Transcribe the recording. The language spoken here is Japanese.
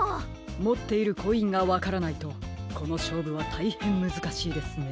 もっているコインがわからないとこのしょうぶはたいへんむずかしいですね。